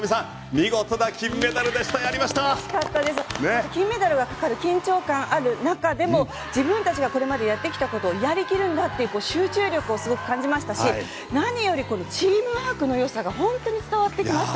見事な金メダルでした金メダルがかかる緊張感ある中でも自分たちがこれまでやってきたことをやりきるんだって集中力をすごく感じましたし何よりこのチームワークの良さが本当に伝わってきました。